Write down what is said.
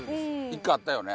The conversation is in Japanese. １回あったよね。